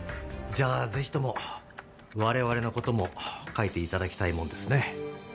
じゃあ是非とも我々のことも書いていただきたいもんですね。